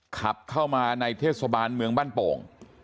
ขับเข้ามาในเทศบาลเมืองบ้านโป่ง